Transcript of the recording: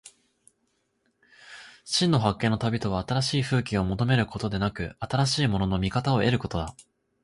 真の発見の旅とは、新しい風景を求めることでなく、新しいものの見方を得ることだ。